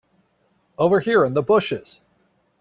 Over here in the bushes.